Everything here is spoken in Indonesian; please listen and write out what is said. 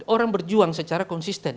orang berjuang secara konsisten